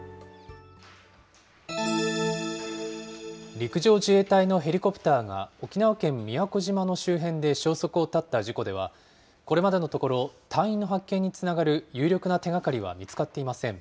陸上自衛隊のヘリコプターが、沖縄県宮古島の周辺で消息を絶った事故では、これまでのところ、隊員の発見につながる有力な手掛かりは見つかっていません。